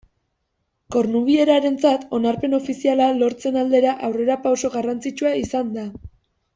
Kornubierarentzat onarpen ofiziala lortze aldera aurrerapauso garrantzitsua izan da.